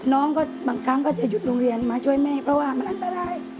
น้องก็บางครั้งก็จะหยุดโรงเรียนมาช่วยแม่เพราะว่ามันอันตราย